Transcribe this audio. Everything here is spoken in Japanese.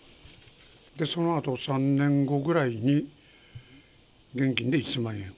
そのあと３年後ぐらいに現金で１０００万円。